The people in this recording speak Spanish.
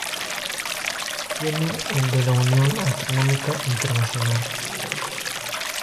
Tiene el de la Unión Astronómica Internacional.